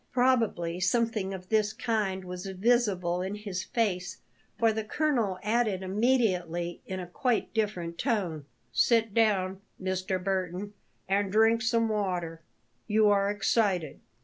Probably something of this kind was visible in his face, for the colonel added immediately, in a quite different tone: "Sit down, Mr. Burton, and drink some water; you are excited."